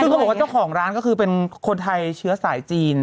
ซึ่งเขาบอกว่าเจ้าของร้านก็คือเป็นคนไทยเชื้อสายจีน